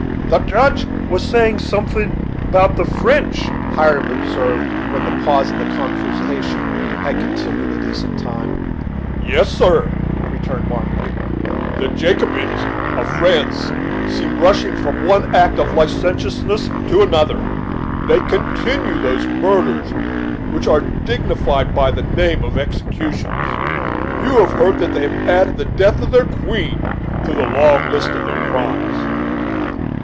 "The Judge was saying so'thin' about the French," Hiram observed when the pause in the conversation had continued a decent time. "Yes, sir," returned Marmaduke, "the Jacobins of France seem rushing from one act of licentiousness to an other, They continue those murders which are dignified by the name of executions. You have heard that they have added the death of their queen to the long list of their crimes."